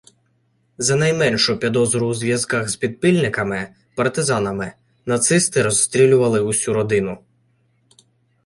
За найменшу підозру у зв'язках з підпільниками, партизанами, нацисти розстрілювали всю родину.